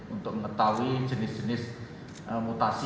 untuk mengetahui jenis jenis mutasi